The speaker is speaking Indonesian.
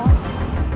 gak usah ki